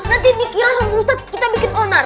nanti dikira harus ustadz kita bikin onar